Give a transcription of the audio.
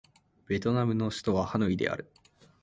ベトナムの首都はハノイである